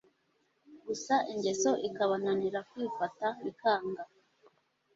gusa ingeso ikabananira kwifata bikanga .